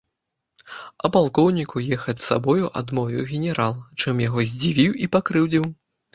А палкоўніку ехаць з сабою адмовіў генерал, чым яго здзівіў і пакрыўдзіў.